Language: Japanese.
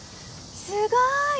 すごーい！